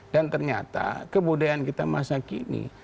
dan ternyata kebudayaan kita masa kini